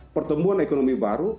pertemuan ekonomi baru